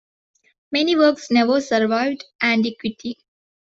Many works never survived antiquity.